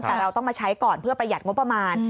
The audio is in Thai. แต่เราต้องมาใช้ก่อนเพื่อประหยัดงบประมาณ